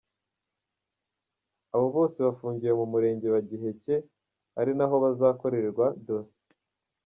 Abo bose bafungiwe mu murenge wa Giheke, ari naho bazakorerwa dosiye.